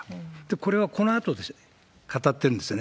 これはこのあと語ってるんですよね。